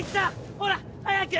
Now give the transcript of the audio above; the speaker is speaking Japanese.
ほら早く！